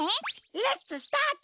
レッツスタート！